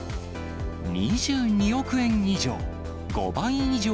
２２億円以上。